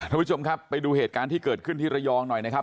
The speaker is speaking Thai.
ท่านผู้ชมครับไปดูเหตุการณ์ที่เกิดขึ้นที่ระยองหน่อยนะครับ